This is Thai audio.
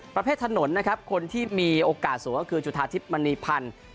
ประเภทถนนนะครับคนที่มีโอกาสสูงก็คือจุธาทิพย์มณีพันธ์